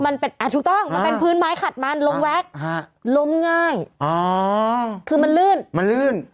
มันเป็นอ่ะถูกต้องมันเป็นพื้นไม้ขัดมันล้มแว็กฮะล้มง่ายอ๋อคือมันลื่นมันลื่น